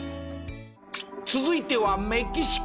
続いてはメキシコ。